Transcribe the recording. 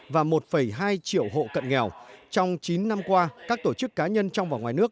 và một hai triệu hộ cận nghèo trong chín năm qua các tổ chức cá nhân trong và ngoài nước